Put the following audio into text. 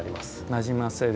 なじませる。